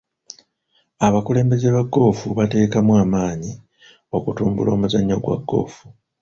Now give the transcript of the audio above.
Abakulembeze ba goofu bateekamu amaanyi okutumbula omuzannyo gwa goofu.